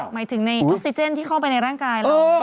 หมายถึงในออกซิเจนที่เข้าไปในร่างกายเรา